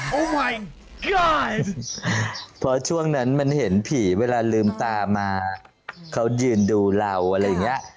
วัยเพราะช่วงนั้นมันเห็นผีเวลาลืมตามาเขายืนดูเราอะไรอย่างเงี้ย